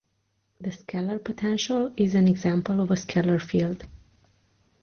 The scalar potential is an example of a scalar field.